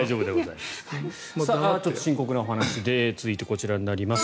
ちょっと深刻なお話続いてこちらになります。